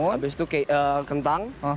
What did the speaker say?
habis itu kentang